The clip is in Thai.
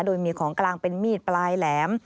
โดยมีของกลางเป็นมีดปลายแหลม